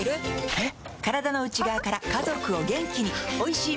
えっ？